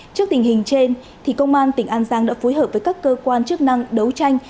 trước tình hình trên công an tỉnh an giang đã phối hợp với các cơ quan chức năng đấu tranh